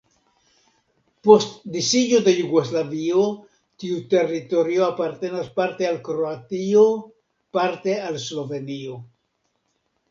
Post disiĝo de Jugoslavio tiu teritorio apartenas parte al Kroatio, parte al Slovenio.